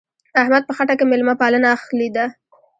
احمد په خټه کې مېلمه پالنه اخښلې ده.